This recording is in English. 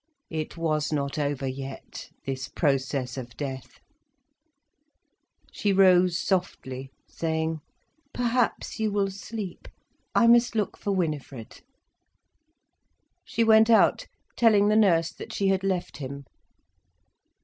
It was not over yet, this process of death. She rose softly saying: "Perhaps you will sleep. I must look for Winifred." She went out, telling the nurse that she had left him.